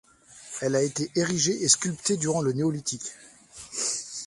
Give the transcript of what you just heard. Elle a été érigée et sculptée durant le néolithique.